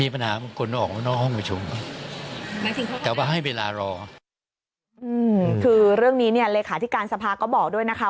เรื่องนี้แลคาที่การสภาคก็บอกด้วยนะคะ